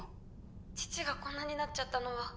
父がこんなになっちゃったのは